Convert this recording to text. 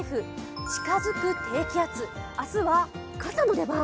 近づく低気圧、明日は傘の出番。